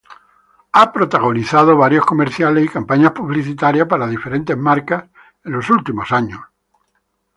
Ha protagonizado varios comerciales y campañas publicitarias para diferentes marcas en los últimos años.